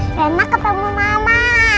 senang ketemu mama